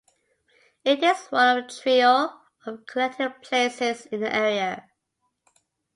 It is one of a trio of connected places in the area.